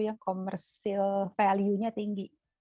yang value komersilnya tinggi